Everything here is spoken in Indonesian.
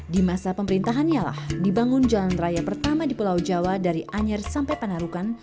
di masa pemerintahannya lah dibangun jalan raya pertama di pulau jawa dari anyer sampai panarukan